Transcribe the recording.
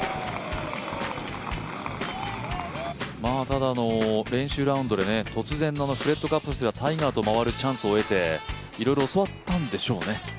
ただ、練習ラウンドで突然、タイガーと回るチャンスを得ていろいろ教わったんでしょうね。